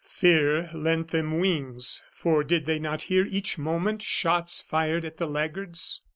Fear lent them wings, for did they not hear each moment shots fired at the laggards?